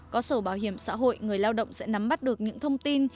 có sổ bảo hiểm xã hội người lao động sẽ nắm bắt được những thông tin